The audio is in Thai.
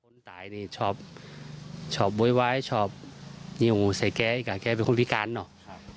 คนตายเนี่ยชอบชอบบ๊วยไว้ชอบนี่โหใส่แก่อีกค่ะแก่เป็นคนพิการเนอะ